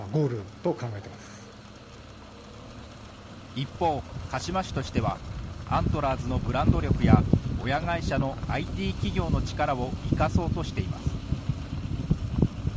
一方、鹿嶋市としては、アントラーズのブランド力や、親会社のＩＴ企業の力を生かそうとしています。